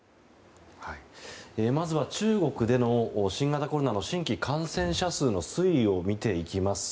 まずは中国での新型コロナの新規感染者数の推移を見ていきます。